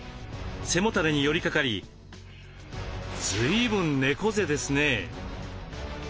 背もたれに寄りかかりずいぶん猫背ですね。